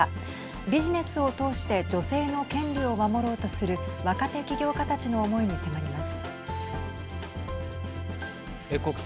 ビジネスを通して女性の権利を守ろうとする若手起業家たちの思いに迫ります。